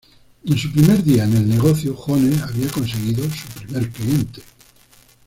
En su primer día en el negocio Jones había conseguido su primer cliente.